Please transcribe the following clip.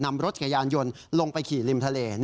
นำรถจักรยานยนต์ลงไปขี่ริมทะเล